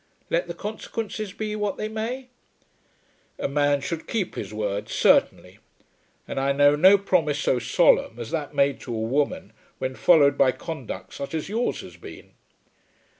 "Let the consequences be what they may?" "A man should keep his word certainly. And I know no promise so solemn as that made to a woman when followed by conduct such as yours has been."